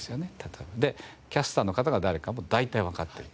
でキャスターの方が誰かも大体わかってると。